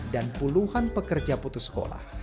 dan puluhan pekerja putus sekolah